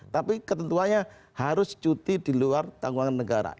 tapi ketentuannya harus cuti di luar tanggungan negara